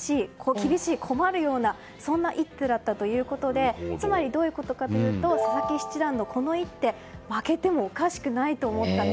厳しい、困るような一手だったということでつまり、佐々木七段のこの一手負けてもおかしくないと思ったと。